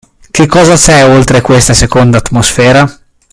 Che cosa c’è oltre questa seconda atmosfera?